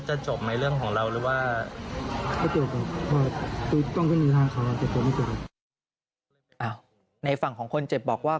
ในฝั่งของคนเจ็บบอกว่า